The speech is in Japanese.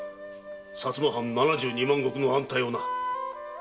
薩摩藩七十二万石の安泰をな。